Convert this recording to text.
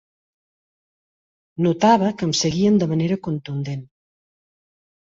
Notava que em seguien de manera contundent.